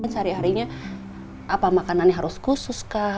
sehari harinya apa makanannya harus khusus kah